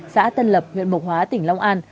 xã tân lập huyện bộc hóa tỉnh long an